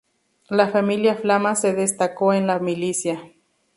La familia Flama se destacó en la milicia.